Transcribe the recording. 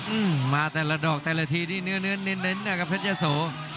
อืมมาแต่ละดอกแต่ละทีนี่เนื้อเนื้อเน้นนะครับเพชรยะโส